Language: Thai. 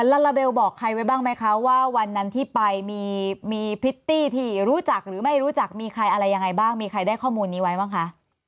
ลาลาเบลบอกใครไว้บ้างไหมคะว่าวันนั้นที่ไปมีพริตตี้ที่รู้จักหรือไม่รู้จักมีใครอะไรยังไงบ้างมีใครได้ข้อมูลนี้ไว้บ้างคะ